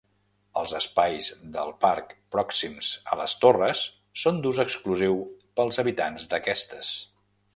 Els espais del parc pròxims a les torres són d'ús exclusiu pels habitants d'aquestes.